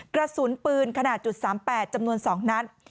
กระสุนปืนขนาด๓๘จำนวน๒นัด